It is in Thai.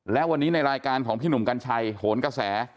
และวันนี้ในรายการของพี่หนุ่มกัญชัยโหนกระแส